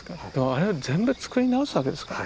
あれ全部作り直すわけですか？